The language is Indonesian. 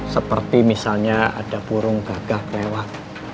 seperti misalnya ada burung gagah lewat